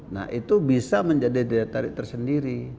nah itu bisa menjadi daya tarik tersendiri